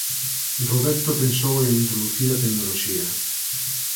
Roberto pensou en introducir a tecnoloxía.